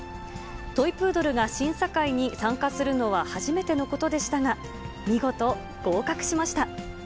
トイプードルが審査会に参加するのは初めてのことでしたが、見事、合格しました。